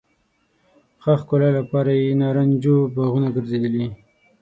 ښه ښکلا لپاره یې نارنجو باغونه ګرځېدلي.